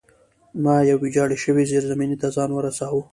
ما یوې ویجاړې شوې زیرزمینۍ ته ځان ورساوه